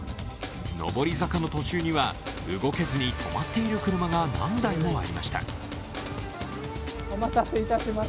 登り坂の途中には動けずに止まっている車が何台もありました。